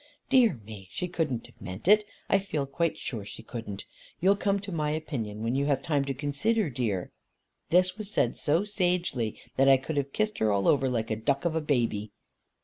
"Dear me! she couldn't have meant it, I feel quite sure she couldn't. You'll come to my opinion when you have time to consider, dear" this was said so sagely that I could have kissed her all over like a duck of a baby.